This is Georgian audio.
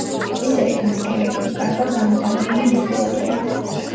კისერი გასქელებული, კარგად განვითარებული მუსკულატურით.